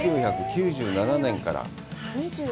１９９７年から。